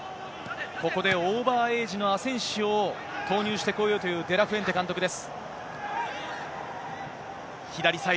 ここでオーバーエイジのアセンシオを投入してこようというデラフェンテ監督です。